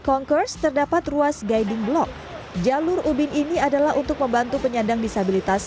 conkers terdapat ruas guiding block jalur ubin ini adalah untuk membantu penyandang disabilitas